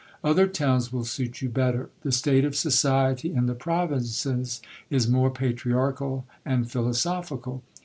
Other towns will suit you better ; the state of society in the provinces is more patriarchal and philosophical.